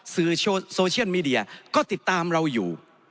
สื่อโซเชียลมีเดียก็ติดตามเราอยู่